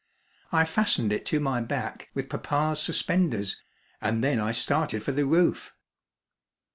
I fastened it to my back with papa's suspenders, and then I started for the roof.